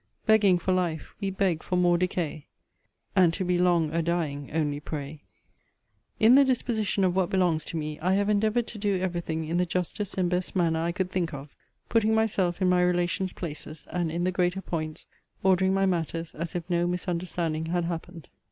Begging for life, we beg for more decay, And to be long a dying only pray. In the disposition of what belongs to me, I have endeavoured to do every thing in the justest and best manner I could think of; putting myself in my relations' places, and, in the greater points, ordering my matters as if no misunderstanding had happened.